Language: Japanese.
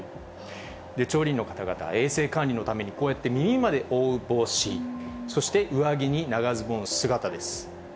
調理員の方々、衛生管理のために、こうやって耳まで覆う帽子、そして上着に長ズボン姿です。